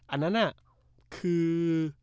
อันนั้นอ่ะคือ